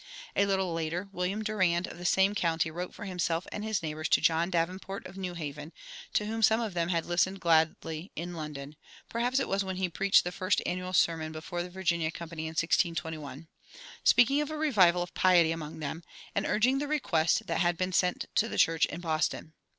A little later William Durand, of the same county, wrote for himself and his neighbors to John Davenport, of New Haven, to whom some of them had listened gladly in London (perhaps it was when he preached the first annual sermon before the Virginia Company in 1621), speaking of "a revival of piety" among them, and urging the request that had been sent to the church in Boston.